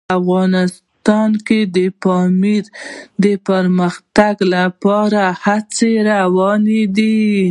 افغانستان کې د پامیر د پرمختګ لپاره هڅې روانې دي.